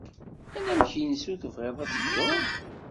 Anamek-nnes ur tebɣid ad teddud?